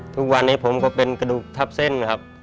ทุกวันนี้ผมก็เป็นกระดูกทับเส้นครับ